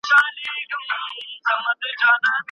استاد د شاګرد هڅونه څنګه پیاوړې کوي؟